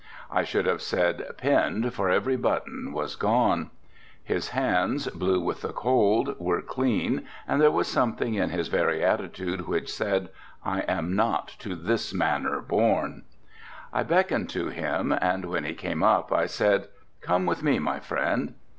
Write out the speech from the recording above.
I should have said pinned, for every button was gone. His hands blue with the cold were clean and there was something in his very attitude which said, 'I am not to this manor born.' I beckoned to him and when he came up I said, "Come with me my friend."